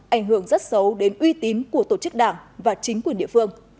ảnh hưởng rất xấu đến uy tín của tổ chức đảng và chính quyền địa phương